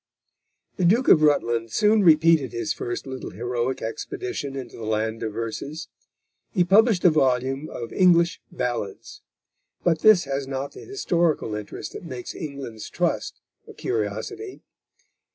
The Duke of Rutland soon repeated his first little heroic expedition into the land of verses. He published a volume of English Ballads; but this has not the historical interest which makes England's Trust a curiosity.